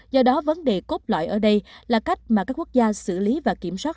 do đó vấn đề cốt lõi ở đây là cách mà các quốc gia xử lý và kiểm soát